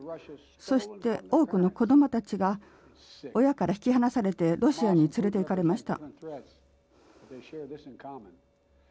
そして、多くの子どもたちが親から引き離されてロシアに連れていかれました。